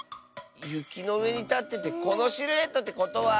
ゆきのうえにたっててこのシルエットってことは。